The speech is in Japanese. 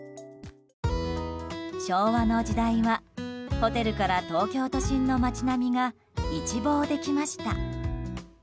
昭和の時代はホテルから東京都心の街並みが一望できました。